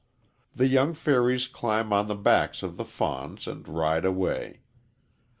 The young fairies climb on the backs of the fawns and ride away.